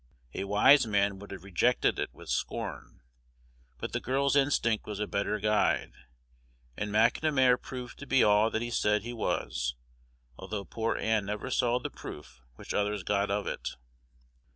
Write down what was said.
A wise man would have rejected it with scorn, but the girl's instinct was a better guide; and McNamar proved to be all that he said he was, although poor Ann never saw the proof which others got of it.